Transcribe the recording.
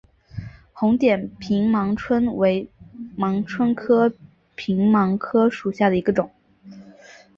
红点平盲蝽为盲蝽科平盲蝽属下的一个种。